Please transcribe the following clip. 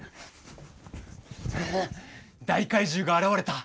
大怪獣が現れた。